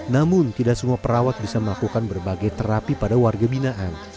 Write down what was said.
namun tidak semua perawat bisa melakukan berbagai terapi pada warga binaan